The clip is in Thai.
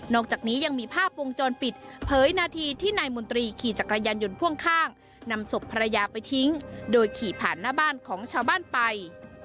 อกจากนี้ยังมีภาพวงจรปิดเผยนาทีที่นายมนตรีขี่จักรยานยนต์พ่วงข้างนำศพภรรยาไปทิ้งโดยขี่ผ่านหน้าบ้านของชาวบ้านไป